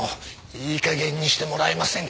いい加減にしてもらえませんか？